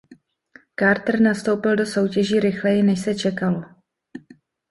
Carter nastoupil do soutěží rychleji než se čekalo.